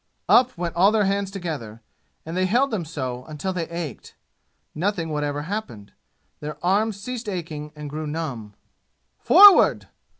Up went all their hands together, and they held them so until they ached. Nothing whatever happened. Their arms ceased aching and grew numb. "Forward!"